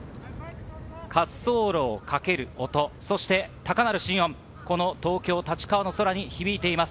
滑走路をかける音、高鳴る心音、東京・立川の空に響いています。